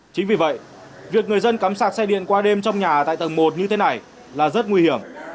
chính vì vậy việc người dân cắm sạc xe điện qua đêm trong nhà tại tầng một như thế này là rất nguy hiểm